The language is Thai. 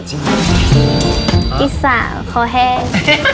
ดิส่าห์คอแห้ง